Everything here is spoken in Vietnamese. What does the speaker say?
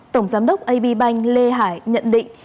tổng giám đốc ab bank lê hải nhận định